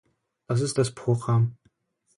Das ist das Programm.